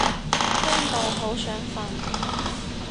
聽到好想瞓